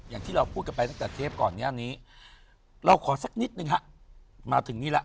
อย่างที่เราพูดกันไปตั้งแต่เทปก่อนหน้านี้เราขอสักนิดนึงฮะมาถึงนี่แล้ว